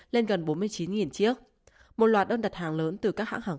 lên gần bốn mươi chín chiếc một loạt đơn đặt hàng lớn từ các hãng hàng